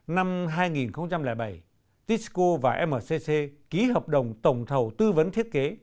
năm hai nghìn bảy tisco và mcc ký hợp đồng tổng thầu tư vấn thiết kế